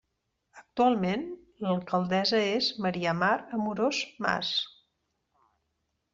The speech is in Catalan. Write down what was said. Actualment l'alcaldessa es Maria Mar Amorós Mas.